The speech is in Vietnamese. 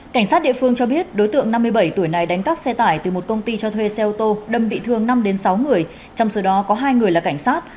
cảnh sát địa phương cho biết đối tượng năm mươi bảy tuổi này đánh cắp xe tải từ một công ty cho thuê xe ô tô đâm bị thương năm sáu người trong số đó có hai người là cảnh sát